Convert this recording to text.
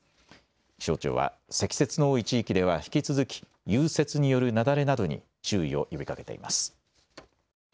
気象庁は積雪の多い地域では引き続き融雪による雪崩などに注意を呼びかけています。